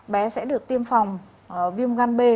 bé sẽ được tiêm phòng viêm gan b